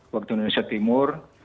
waktu indonesia timur